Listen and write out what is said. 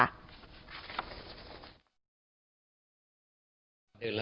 ทางรองผู้บัญชาการตำรวจแห่งชาติเป็นคนให้ข้อมูลเองนะคะ